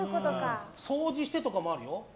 掃除してとかもあるよ。